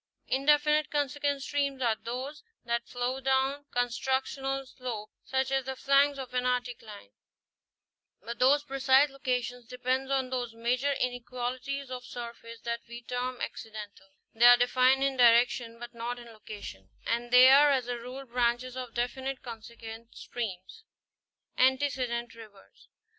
Indefinite consequent streams are those that flow down constructional slopes, such as the flanks of an anticline, but whose precise location depends on those minor inequalities of surface that we term accidental ; they are defined in direction but not in location ; and they are as a rule branches of definite consequent streams. i Antecedent rivers.